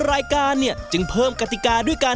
รายการเนี่ยจึงเพิ่มกติกาด้วยกัน